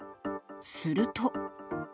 すると。